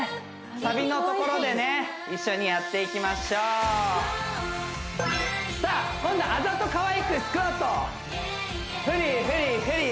サビのところでね一緒にやっていきましょうさあ今度あざとかわいくスクワット振り振り振り